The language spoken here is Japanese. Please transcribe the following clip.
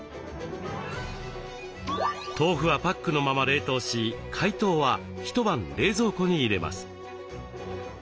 豆腐はパックのまま冷凍し解凍は一晩冷蔵庫に入れます。